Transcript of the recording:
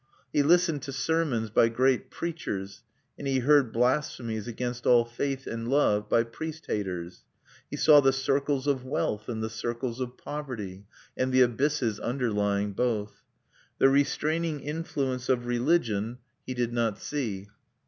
He listened to sermons by great preachers; and he heard blasphemies against all faith and love by priest haters. He saw the circles of wealth, and the circles of poverty, and the abysses underlying both. The "restraining influence" of religion he did not see.